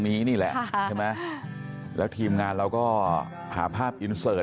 สิ่งที่เราเป็นผ่านมาคืออะไร